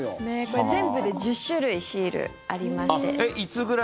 これ、全部で１０種類シール、ありまして。